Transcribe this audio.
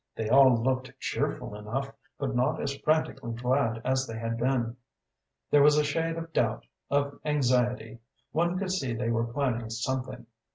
They all looked cheerful enough, but not as frantically glad as they had been; there was a shade of doubt, of anxiety. One could see they were planning something.